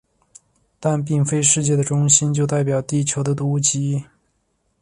但并非世界的中心就代表地球的肚脐。